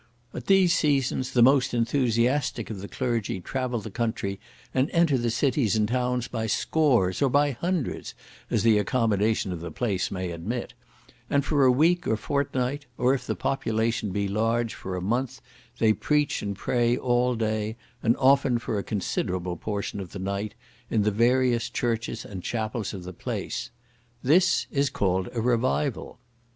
At these seasons the most enthusiastic of the clergy travel the country, and enter the cities and towns by scores, or by hundreds, as the accommodation of the place may admit, and for a week or fortnight, or, if the population be large, for a month; they preach and pray all day, and often for a considerable portion of the night, in the various churches and chapels of the place. This is called a Revival.